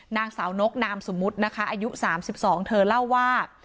นางสาวนกนามสมมุตินะคะอายุ๓๒เธอเล่าว่า